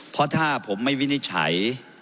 เพราะถ้าผมไม่วินิจฉัย